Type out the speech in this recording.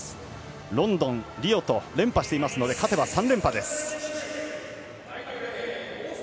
ロンドン、リオと連覇していますので勝てば３連覇です。